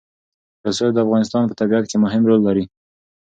رسوب د افغانستان په طبیعت کې مهم رول لري.